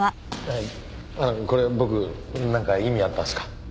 これ僕なんか意味あったんですか？